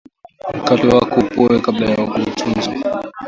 mkate wako upoe kabla ya kuutunza